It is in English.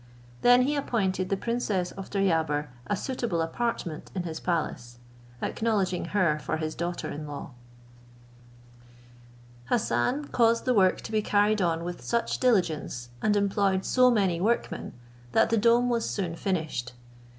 Then he appointed the princess of Deryabar a suitable apartment in his palace, acknowledging her for his daughter in law. Hassan caused the work to be carried on with such diligence, and employed so many workmen, that the dome was soon finished.